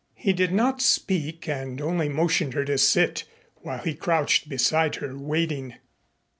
He did not speak and only motioned her to sit while he crouched beside her, waiting.